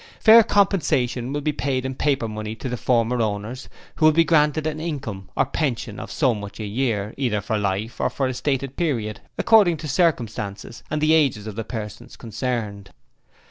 Fair compensation will be paid in paper money to the former owners, who will be granted an income or pension of so much a year either for life or for a stated period according to circumstances and the ages of the persons concerned.